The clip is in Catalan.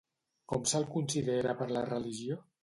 Com se'l considera per la religió?